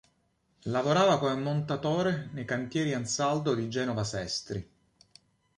Lavorava come montatore nei Cantieri Ansaldo di Genova Sestri.